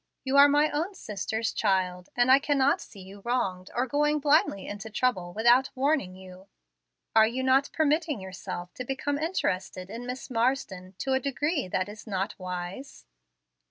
You are my own sister's child, and I cannot see you wronged or going blindly into trouble without warning you. Are you not permitting yourself to become interested in Miss Marsden to a degree that is not wise?"